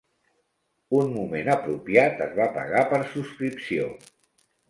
Un moment apropiat es va pagar per subscripció.